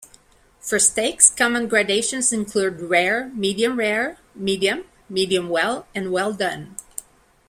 For steaks, common gradations include "rare", "medium rare", "medium", "medium well" and "well done".